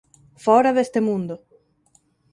Fóra deste mundo.